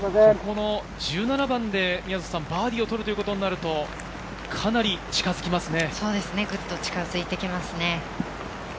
ここの１７番で宮里さん、バーディーを取るということになると、かなり近づきますね。